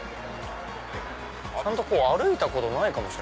ちゃんと歩いたことないかも。